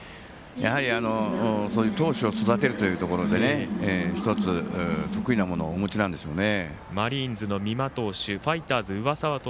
やはり、そういう投手を育てるというところで１つ得意なものをお持ちなんでしょうね。